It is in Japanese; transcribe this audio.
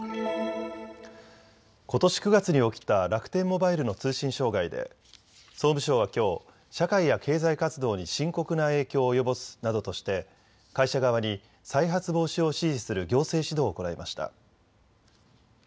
ことし９月に起きた楽天モバイルの通信障害で総務省はきょう社会や経済活動に深刻な影響を及ぼすなどとして会社側に再発防止を指示する行政指導を行いました。